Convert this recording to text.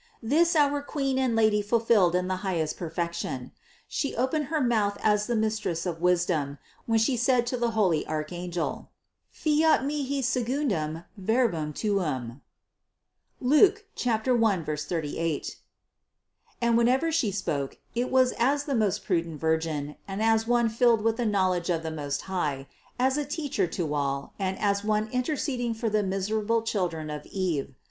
This our Queen and Lady fulfilled in the highest perfection. She opened her mouth as the Mistress of wisdom, when She said to the holy archangel : "Fiat mihi secundom verbum tuum" (Luke 1, 38) and whenever She spoke, it was as the most prudent Virgin and as one filled with the knowledge of the Most High, as a Teacher to all, and as one interceding for the miserable children of Eve.